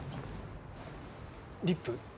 リップ。